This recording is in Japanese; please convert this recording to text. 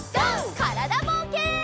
からだぼうけん。